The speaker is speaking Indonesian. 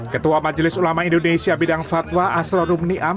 ketua majelis ulama indonesia bidang fatwa asro rumniam